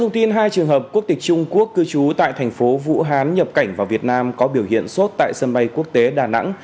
trung quốc cư trú tại thành phố vũ hán nhập cảnh vào việt nam có biểu hiện sốt tại sân bay quốc tế đà nẵng